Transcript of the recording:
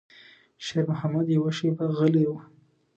شېرمحمد يوه شېبه غلی و.